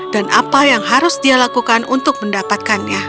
dan apa yang harus dia lakukan untuk mendapatkannya